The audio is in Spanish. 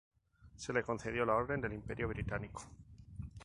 Se le concedió la Orden del Imperio Británico.